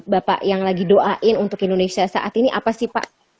bapak yang lagi doain untuk indonesia saat ini apa sih pak